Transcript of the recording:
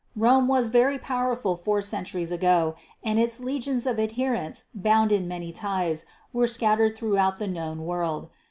Rome was very powerful four centuries ago, and its legions of adherents bound in many ties, were scattered throughout the known world.